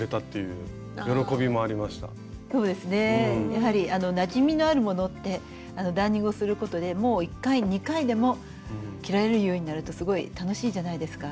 やはりなじみのあるものってダーニングをすることでもう１回２回でも着られるようになるとすごい楽しいじゃないですか。